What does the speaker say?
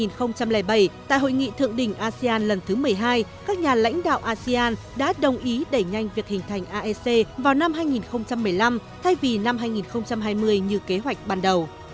năm hai nghìn bảy tại hội nghị thượng đỉnh asean lần thứ một mươi hai các nhà lãnh đạo asean đã đồng ý đẩy nhanh việc hình thành aec vào năm hai nghìn một mươi năm thay vì năm hai nghìn hai mươi như kế hoạch ban đầu